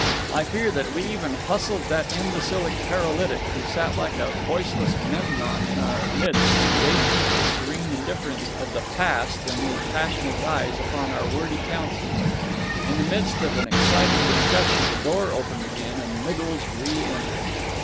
I fear that we even hustled that imbecile paralytic, who sat like a voiceless Memnon in our midst, gazing with the serene indifference of the Past in his passionate eyes upon our wordy counsels. In the midst of an exciting discussion the door opened again, and Miggles re entered.